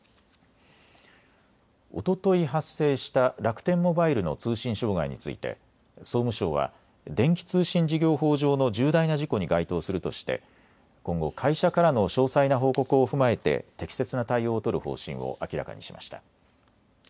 おととい発生した楽天モバイルの通信障害について総務省は電気通信事業法上の重大な事故に該当するとして今後、会社からの詳細な報告を踏まえて適切な対応を取る方針を明らかにしました。